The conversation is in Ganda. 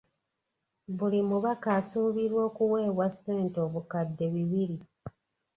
Buli mubaka asuubirwa okuweebwa ssente obukadde bibiri.